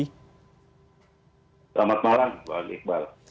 selamat malam pak iqbal